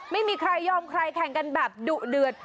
ไม่มีใครยอมใครแข่งกันแบบดุเดือด